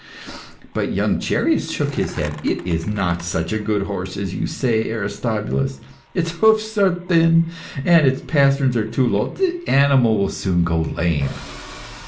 But young Chereas shook his head. "It is not such a good horse as you say, Aristobulus. Its hoofs are thin, and the pasterns are too low; the animal will soon go lame."